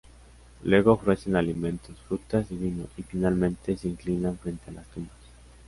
Luego ofrecen alimentos, frutas y vino, y finalmente se inclinan frente a las tumbas.